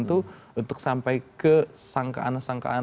untuk sampai ke sangkaan sangkaan